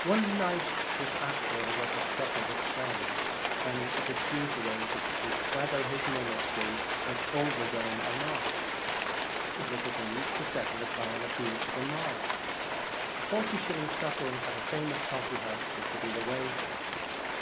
One night this actor was at supper with some friends, when dispute arose as to whether his mimicry was overdone or not. It was agreed to settle it by an appeal to the mob. A forty shilling supper at a famous coffee house was to be the wager.